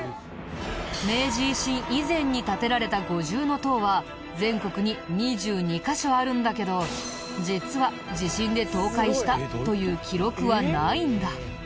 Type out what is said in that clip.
明治維新以前に建てられた五重塔は全国に２２カ所あるんだけど実は「地震で倒壊した」という記録はないんだ。